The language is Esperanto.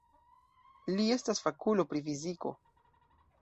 Li estas fakulo pri fiziko.